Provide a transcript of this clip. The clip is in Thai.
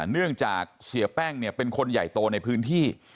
เนื่องจากเสียแป้งเนี่ยเป็นคนใหญ่โตในพื้นที่